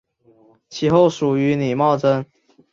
其后属于李茂贞。